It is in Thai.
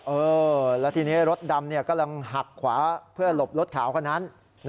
เออแล้วทีนี้รถดำกำลังหักขวาเพื่อหลบรถขาวคนนั้น